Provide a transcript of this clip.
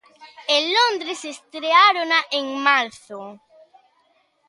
En Londres estreárona en marzo.